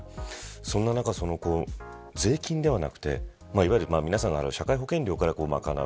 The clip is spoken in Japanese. そんな中、税金ではなくていわゆる社会保険料から賄う。